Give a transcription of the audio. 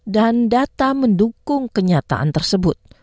dan data mendukung kenyataan tersebut